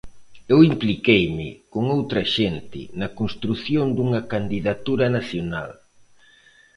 Eu impliqueime, con outra xente, na construción dunha candidatura nacional.